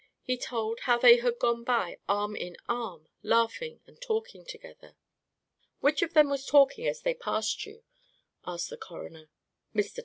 He told how they had gone by arm in arm, laughing and talking together. "Which of them was talking as they passed you?" asked the coroner. "Mr.